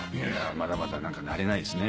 まだまだ慣れないですね。